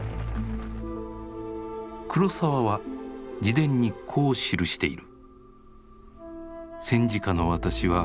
黒澤は自伝にこう記している。